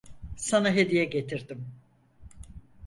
Sana hediye getirdim.